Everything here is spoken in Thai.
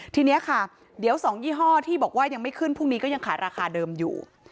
ทีนี้ค่ะเดี๋ยว๒ยี่ห้อที่บอกว่ายังไม่ขึ้นพรุ่งนี้ก็ยังขายราคาเดิมอยู่